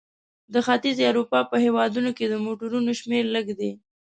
د ختیځې اروپا په هېوادونو کې د موټرونو شمیر لږ دی.